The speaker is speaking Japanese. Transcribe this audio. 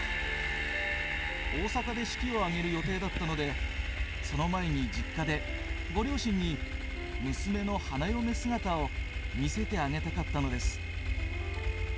大阪で式をあげる予定だったので、その前に実家でご両親に娘の花嫁姿を見せてあげたかったのです」。